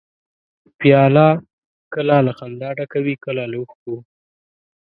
پیاله کله له خندا ډکه وي، کله له اوښکو.